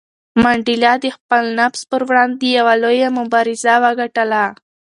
منډېلا د خپل نفس پر وړاندې یوه لویه مبارزه وګټله.